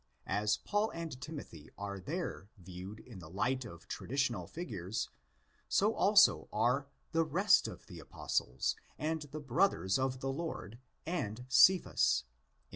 As Paul and Timothy are there viewed in the light of traditional figures, so also are 'the rest of the Apostles, and the brothers of the Lord, and Cephas'"' in ix.